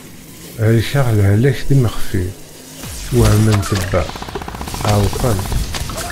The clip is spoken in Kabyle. Helkeɣ lehlak d imexfi, wehmen ṭṭebba, ɛewqen.